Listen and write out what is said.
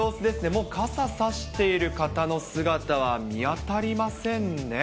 もう傘差している方の姿は見当たりませんね。